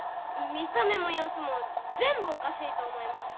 見た目もようすもぜんぶおかしいと思います。